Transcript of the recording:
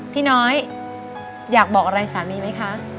พี่น้อยอยากบอกอะไรสามีไหมคะ